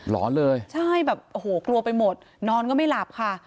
ร้อนเลยใช่แบบโอ้โหกลัวไปหมดนอนก็ไม่หลับค่ะ